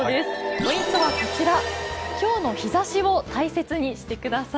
ポイントはこちら、今日の日差しを大切にしてください。